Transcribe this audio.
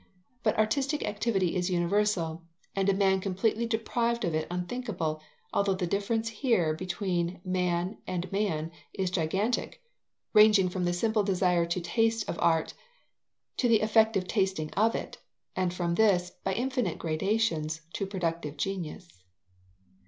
But artistic activity is universal, and a man completely deprived of it unthinkable, although the difference here between man and man, is gigantic, ranging from the simple desire to taste of art to the effective tasting of it, and from this, by infinite gradations, to productive genius.